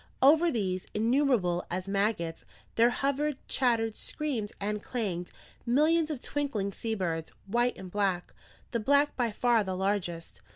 Over these, innumerable as maggots, there hovered, chattered, screamed and clanged, millions of twinkling sea birds: white and black; the black by far the largest.